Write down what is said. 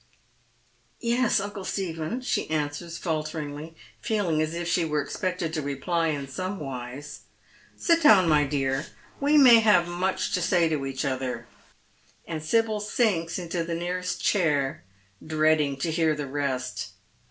" Yes, uncle Stephen," she answers falteringly, feeling as if she were expected to reply in some wise. " Sit down, my dear. We may have much to say to each other ;" and Sibyl sinks into the nearest chair, dreading to hear the rest.